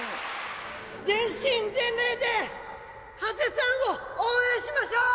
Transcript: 全身全霊で馳さんを応援しましょう！